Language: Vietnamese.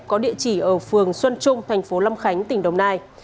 có địa chỉ ở phường xuân trung thành phố lâm khánh tỉnh đồng nai